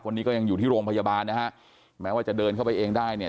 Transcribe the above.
คนนี้ก็ยังอยู่ที่โรงพยาบาลนะฮะแม้ว่าจะเดินเข้าไปเองได้เนี่ย